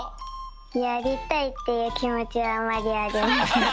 やりたいっていうきもちはあまりありません。